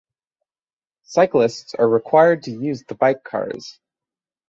Cyclists are required to use the bike cars.